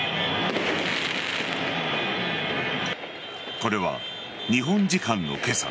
これは日本時間の今朝